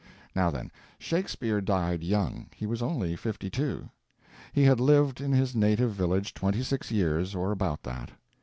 Now then. Shakespeare died young—he was only fifty two. He had lived in his native village twenty six years, or about that.